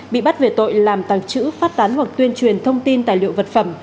bị bắt về tội làm tàng trữ phát tán hoặc tuyên truyền thông tin tài liệu vật phẩm